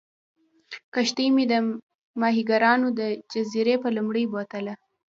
کښتۍ مې د ماهیګیرانو د جزیرې په لورې بوتله.